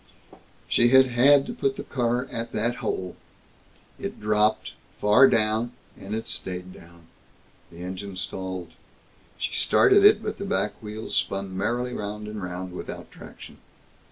She had had to put the car at that hole. It dropped, far down, and it stayed down. The engine stalled. She started it, but the back wheels spun merrily round and round, without traction.